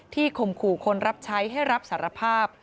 ข่มขู่คนรับใช้ให้รับสารภาพ